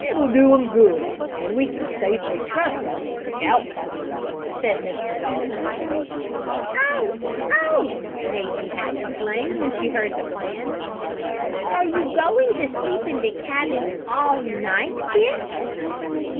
"It will do him good, and we can safely trust him with the Scout Master," said Mr. Dalton. "Oh! oh!" Mazie had exclaimed when she heard the plans. "Are you going to sleep in the cabin all night, Rick?"